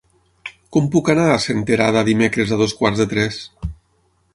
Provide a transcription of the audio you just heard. Com puc anar a Senterada dimecres a dos quarts de tres?